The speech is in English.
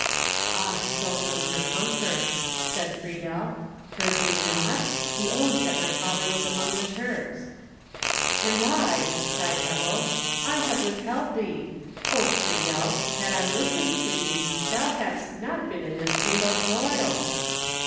"Ah! So comes her comfort," said Friedel. "Heard you not? He owned that my father was among the Turks." "And I," cried Ebbo. "I have withheld thee! O Friedel, had I listened to thee, thou hadst not been in this fatal broil!"